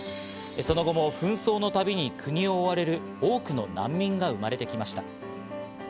その後も紛争のたびに国を追われる多くの難民が生まれてきました。